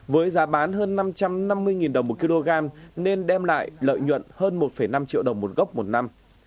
với giá bán hơn năm trăm năm mươi đồng một kg nên đem lại lợi nhuận hơn một năm triệu đồng một gốc một năm